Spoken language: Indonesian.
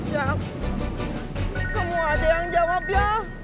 jack kamu ada yang jawab ya